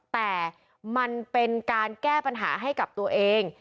แต่มันเป็นการแก้ปัญหาให้กับตัวเอง